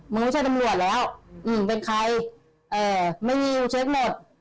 มึงไม่ใช่ตำรวจแล้วมึงเป็นใครเอ่อไม่มีอยู่เช็คหมด